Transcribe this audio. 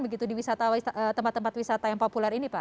begitu di tempat tempat wisata yang populer ini pak